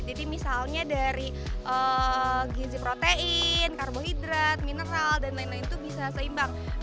jadi misalnya dari gizi protein karbohidrat mineral dan lain lain itu bisa seimbang